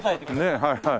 ねえはいはい。